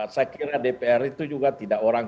saya kira dpr itu juga tidak orang